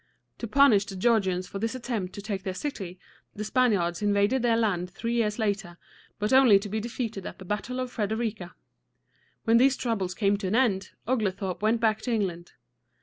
To punish the Georgians for this attempt to take their city, the Spaniards invaded their land three years later, but only to be defeated at the battle of Fred er i´ca. When these troubles came to an end, Oglethorpe went back to England.